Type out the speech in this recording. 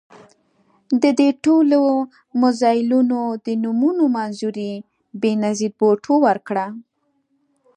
د دې ټولو میزایلونو د نومونو منظوري بېنظیر بوټو ورکړه.